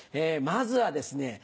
まずはですね